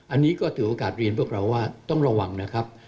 อันนี้ก็ถือโอกาสเรียนพวกเราว่าต้องระวังนะครับ